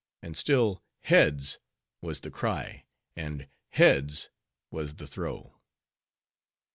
And still "Heads," was the cry, and "Heads," was the throw.